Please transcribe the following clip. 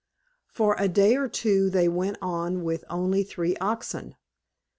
For a day or two they went on with only three oxen.